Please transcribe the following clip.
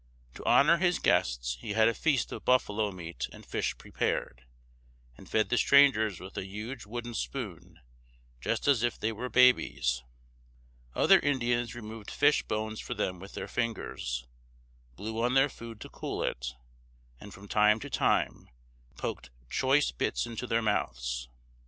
To honor his guests, he had a feast of buffalo meat and fish prepared, and fed the strangers with a huge wooden spoon, just as if they were babies. Other Indians removed fish bones for them with their fingers, blew on their food to cool it, and from time to time poked choice bits into their mouths.